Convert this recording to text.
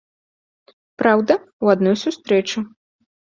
Праўда, у адной сустрэчы.